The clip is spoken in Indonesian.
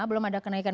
belum ada kenaikan